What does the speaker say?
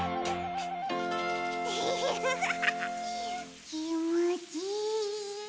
フフフフきもちいい。